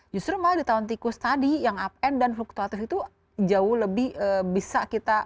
justru malah di tahun tikus tadi yang up and dan fluktuatif itu jauh lebih bisa kita